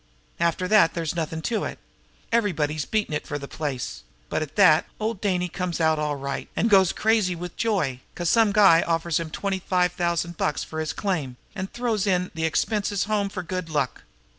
After that there's nothing to it! Everybody's beatin' it for the place; but, at that, old Dainey comes out of it all right, an' goes crazy with joy 'cause some guy offers him twenty five thousand bucks for his claim, an' throws in the expenses home for good luck.